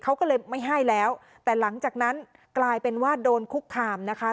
เขาก็เลยไม่ให้แล้วแต่หลังจากนั้นกลายเป็นว่าโดนคุกคามนะคะ